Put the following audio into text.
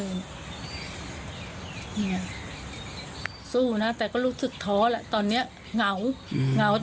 แสบสู้นะแต่ก็รู้สึกท้อแล้วตอนนี้เหงา